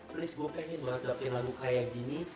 please gua pengen banget dapetin lagu kayak gini